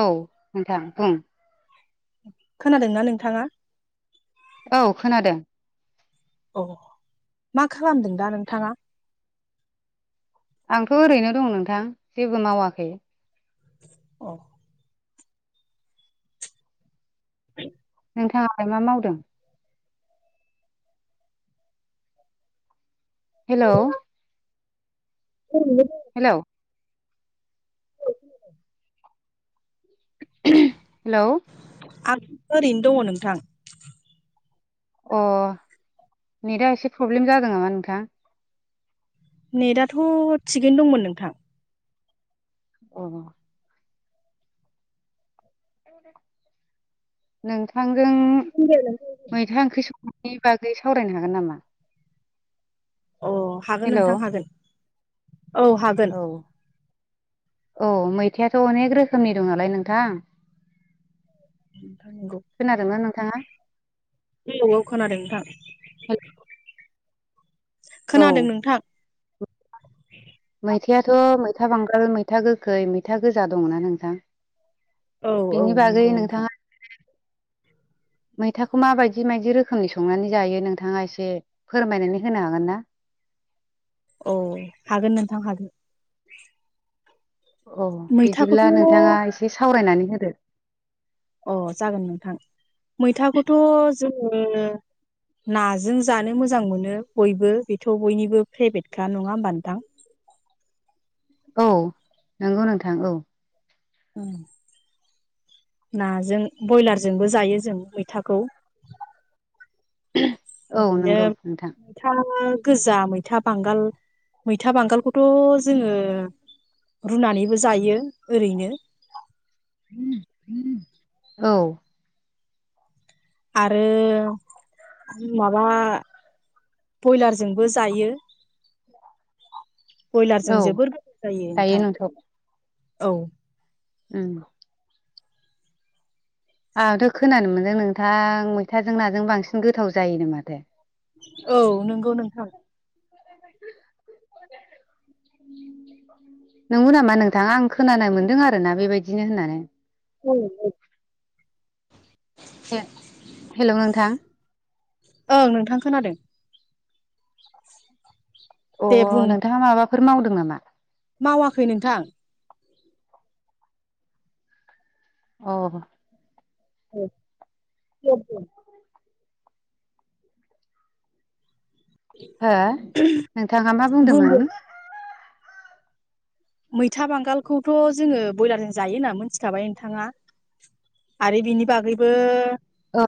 औ नोंथां उम खोनादोंना नोंथाङा औ खोनादों अह मा खामदों दा नोंथाङा? आंथ' ओरैनो दं नोंथां जेबो मावाखै औ [inaudible] नोंथाङालाय मा मावदों? हेलौ [inaudible] हेलौ [unintelligible] हेलौ आंथ ओरैनो दङ नोंथां अह नेटआ एसे प्रब्लेम जादों नामा नोंथां नेटाथ' थिगैनो दंमोन नोंथां अह नोंथांजों मैथा ओंख्रि सं [unintelligible] नि बागै सावरायनो हागोन नामा अह हागोन हेलौ नोंथां हागोन औ हागोन अह मैथायाथ' अनेक रोखोमनि दं नालाय नोंथां नोंथां नंगौ खोनादोना नोंथाङा औ खोनादो नोंथां औ खोनादों नोंथां मैथायाथ' मैथा बांगाल, मैथा गोखै, मैथा गोजा दङोना नोंथां औ-औ बेनि बागै नोंगौ नोंथाङा नोंथां मैथाखौ माबायदि मायदि रोखोमनि संनानै जायो नोंथाङा एसे फोरमायनानै होनो हागोनना अह हागोन नोंथां हागोन अह मैथाखौथ' बिदिब्ला नोंथाङा एसे सावरायनानै होदो अह जागोन नोंथां मैथाखोथ' जोङो नाजों जानो मोजां मोनो बयबो बेथ' बयनिबो फेब्रेटखा नङा होमबा नोंथां [inaudible] औ नोंगौ नोंथां औ उम नाजों बयलारजोंबो जायो जों मैथाखौ औ नंगौ नोंथां ओरैनो [unintelligible] गोजा मैथा बांगाल मैथा बांगालखौथ' जोङो रुनानैबो जायो ओरैनो [inaudible] औ आरो उम माबा बयलारजोंबो जायो बयलारजों औ जोबोर गोथाव जायो नोंथां औ उम आंङाथ' खोनानो मोनदों नोंथां मैथाजों नाजों बांसिन गोथाव जायोनो माथो औ नोंगौ नोंथां [inaudible] नोंगौ नामा नोंथां आं खोनाना मोनदों आरोना बेबायदिनो होननानै। हेलौ नोंथां [unintelligible] [inaudible] ओं नोंथां खोनादो। दे अह बुं नोंथाङा माबाफोर मावदों नामा? मावाखै नोंथां। अ [unintelligible] हो नोंथाङा मा बुंदो बुंदोंमोन? मैथा बांगालखौथ' जोङो बयलारजों जायो होनना मोनथिखाबाय नोंथाङा। आरो बिनि बागैबो औ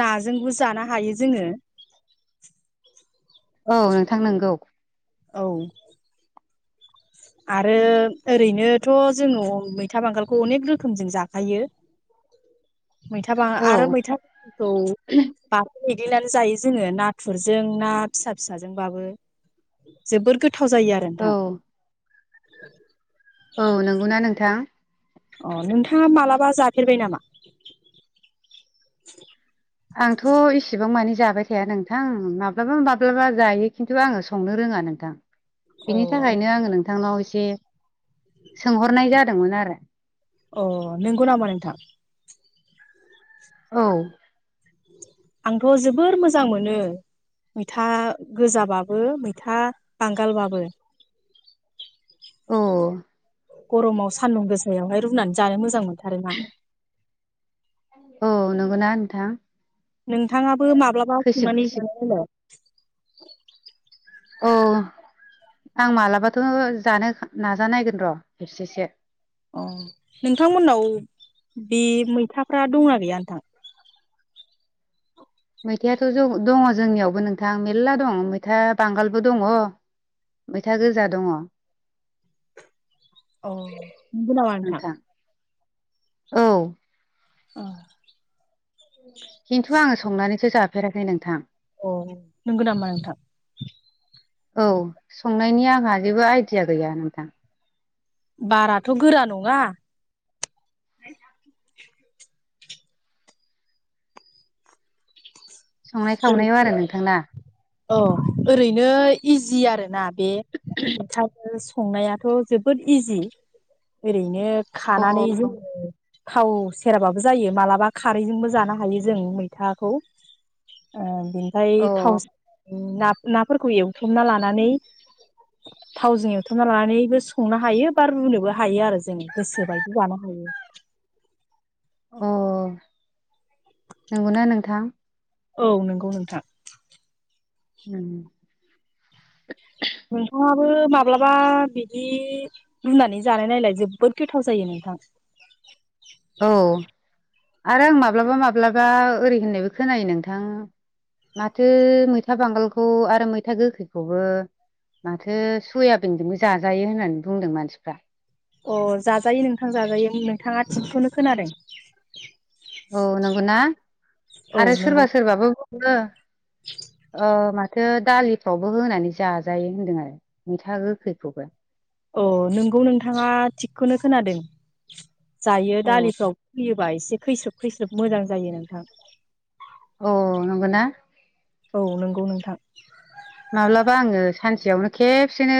नाजोंबो जानो हायो जोङो। औ नोंथां नंगौ। औ। आरो ओरैनोथ' जोङो मैथा बांगालखौ अनेख रोखोमजों जाखायो। [inaudible] मैथा बाङा आरो औ मैथा [inaudible] लिनानै जायो जोङो नाथुरजों ना फिसा फिसाजोंबाबो जोबोर गो थाव जायो आरो नोंथां। औ औ नंगौना नोंथां? अ नोंथाङा मालाबा जाफेरबाय नामा? आंथ' एसेबां माने जाबाय थाया नोंथां माब्लाबा माब्लाबा जायो खिन्थु आङो संनो रोङ ङा नोंथां। अ बिनि थाखायनो आङो नोंथांनाव एसे सोंहरनाय जादोंमोन आरो। अ नंगौ नामा नोंथां? औ। आंथ' जोबोर मोजां मोनो। मैथा गोजाबाबो मैथा बांगालबाबो। औ। गरमाव सान्दुं गोसायावहाय रुनानै जानो मोजां मोनथारोना। [inaudible] औ नंगौना नोंथां? नोंथाङाबो माब्लाबा खैसिब संनानै खैसिब जानाय नायलाय [inaudible] औ [inaudible] आं मालाबाथ' जानो नाजानायगोन र' खेबसेसो। अ नोंथांमोननाव बे मैथाफ्रा दंना गैया नोंथां? मैथायाथ' जौ दङ जोंनियावबो नोंथां मेरल़ा दं मैथा बांगालबो दङ। मैथा गोजा दङ। अ नंगौ नामा नोंथां? औ। अ खिन्थु आङो संनानैसो जाफेराखै नोंथां। अ नोंगौ नामा नोंथां? औ संनायनि आंहा जेबो आइदिया गैया नोंथां। बाराथ' गोरा नङा। संनाय खावनायाव आरो नोंथां ना? औ ओरैनो इजि आरोना बे [inaudible] संनायाथ' जोबोद इजि ओरैनो अ खानानै जोङो थाव सेराबाबो जायो मालाबा खारैजोंबो जानो हायो जों मैथाखौ। ओ बेनिफाय अ थावस ना नाफोरखौ एवथ्रमना लानानै थावजों एवथ्रमना लानानैबो संनो हायो बा रुनोबो हायो आरो जों गोसोबायदि जानो हायो। [inaudible] अ नंगौना नोंथां। औ नंगौ नोंथां। उ। नोंथाङाबो माब्लाबा बिदि रुनानै जानाय नायलाय जोबोद गोथाव जायो नोंथां। [inaudible] औ आरो आं माब्लाबा माब्लाबा ओरै होननायबो खोनायो नोंथां। माथो मैथा बांगालखौ आरो मैथा गोखैखौबो। माथो सयाबिनजोंबो जाजायो होननानै बुंदों मानसिफ्रा। अ जाजायो नोंथां जाजायो नोंथाङा थिखखौनो खोनादों औ नंगौना औ आरो सोरबा नंगौ सोरबाबो बुङो। ओं। दालिफ्रावबो होनानै जाजायो होन्दों आरो मैथा गोखैखौबो। अ नोंगौ नोंथाङा थिगखौनो खोनादों। जायो औ दालिफ्राव होयोबा एसे खैस्रोब खैस्रोब मोजां जायो नोंथां। अ नंगौना। औ नंगौ नोंथां। माब्लाबा आङो सानसेयावनो खेबसेनो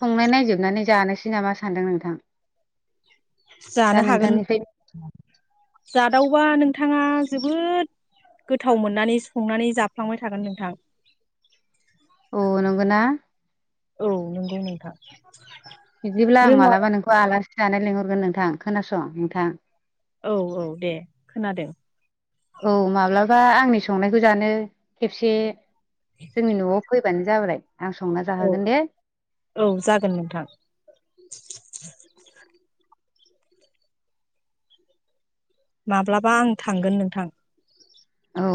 संनाय नायजोबनानै जानोसै नामा सानदों नोंथां। दा जानो हागोन नोंथांनिफ्राय जादावबा नोंथाङा जोबोद गोथाव मोननानै संनानै जाफ्लांबाय थागोन नोंथां। औ नंगौना। औ नोंगौ नोंथां। बिदिब्ला आं रोङा मालाबा नोंखौ आलासि जानाय लिंहरगोन नोंथां खोनासं नोंथां। औ औ दे खोनादों। औ माब्लाबा आंनि संनायखौ जानो खेबसे जोंनि न'आव फै। फैबानो जाबाय। आं संना औ जाहोगोन दे औ जागोन नोंथां। माब्लाबा आं थांगोन नोंथां। औ।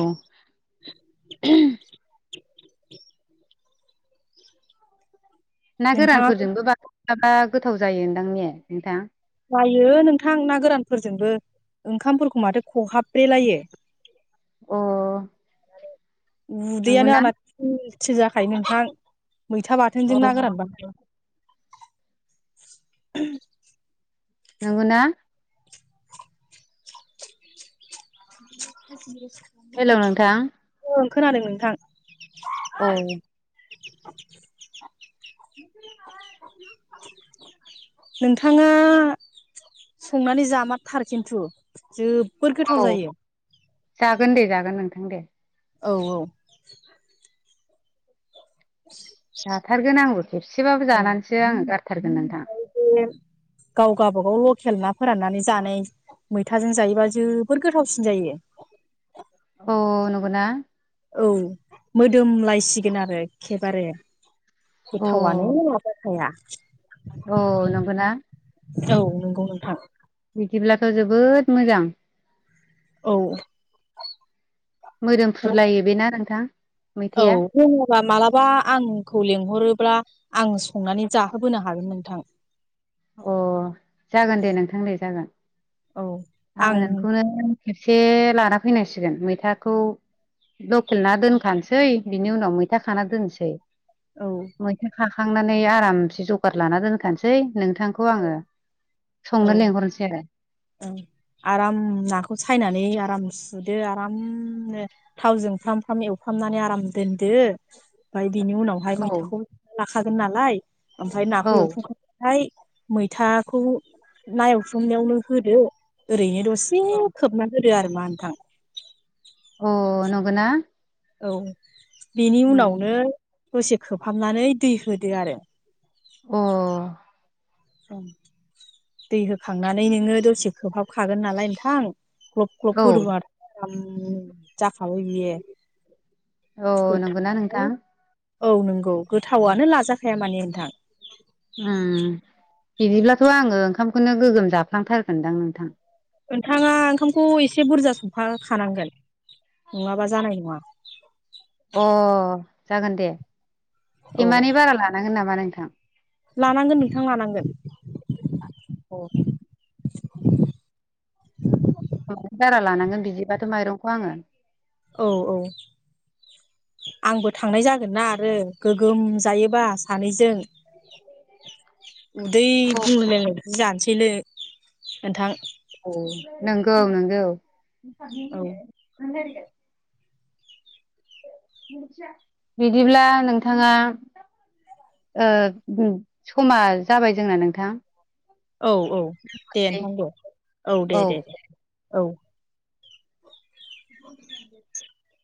ना नोंथाङा गोरानफोरजोंबो मालाबा मालाबा गोथाव जायो दांने नोंथां। जायो नोंथां ना गोरानफोरजोंबो ओंखामफोरखौ माथो खहाब ब्रे लायो। अ। उदैयानो नंगौना आंना थिल थिल जाखायो नोंथां। मैथा बाथोनजों अ ना गोरानबाथाय। नंगौना। [inaudible] हेल' नोंथां। ओं खोनादों नोंथां। औ। [inaudible] नोंथाङा संनानै जामारथार खिन्थु जो जोबोद गोथाव औ जायो। जागोन दे जागोन नोंथां दे। औ औ। जाथारगोन आंबो खेबसेबाबो औ जानानैसो आङो गारथारगोन नोंथां। बे गाव गावबागौल' खेल ना फोराननानै जानाय मैथाजों जायोबा जोबोर गोथावसिन जायो। औ नंगौना। औ मोदोम लायसिगोन आरो एखे बारे। गोथावानो माबा थाया। औ नंगौना। औ नंगौ नोंथां। बिदिब्लाथ' जोबोद मोजां। औ। मोदोमफ्रु लायो बेना नोंथां‌। औ दङोब्ला मालाबा आंखौ लेंहरोब्ला आं संनानै जाहोबोनो हागोन नोंथां। अ जागोन दे नोंथां दे जागोन औ आङो आं नोंखौनो खेबसे लाना फैनांसिगोन मैथाखौ लकेल ना दोनखानोसै बिनि उनाव मैथा खाना दोनसै। औ मैथा खाखांनानै आरामसे जगार लाना दोनखानोसै। नोंथांखौ आङो औ संनो लेंहरनोसै आरो औ आराम नाखौ सायनानै आराम सुदो आरामनो थावजों फ्राम फ्राम एवफ्रामनानै आराम दोनदो ओमफाय बिनि उनावहाय औ मैथाखौ लाखागोन नालाय ओमफाय नाखौ औ एवथ्रमखांबाथाय मैथाखौ ना एवथ्रमनायावनो होदो ओरैनो दसे खोबना दोन दो‌ आरोमा नोंथां। अ नंगोना। औ बेनि उनावनो दसे खोबहाबनानै दै होदो आरो। अ दै होखांनानै नोङो दसे खोबहाब खागोन नालाय नोंथां ग्लप ग्लप गोथौ हो आरो आराम थाबै बियो औ नंगौना गोथाव नोंथां औ नंगौ गोथावआनो लाजाखाया माने नोंथां। उम बिदिब्लाथ' आङो ओंखामखौनो गोगोम जाफ्लांथारगोनदां नोंथां। नोंथाङा ओंखामखौ एसे बुरजा संफाखानांगोन। नङाबा जानाय नङा। अ जागोन दे औ तेमानि बारा लानांगोन नामा नोंथां? लानांगोन नोंथां लानांगोन। अ बारा लानांगोन बिदिबाथ' माइरंखौ आङो। औ औ आंबो थांनाय जागोनना आरो गोगोम जायोबा सानैजों। उदै औ बुंललायनायदि जानोसैलै नोंथां। औ नोंगौ नोंगौ। औ बिदिब्ला नोंथाङा ओ उम समा जाबाय जोंना नोंथां। औ औ दे नोंथां दे औ दे दे दे औ। [inaudible]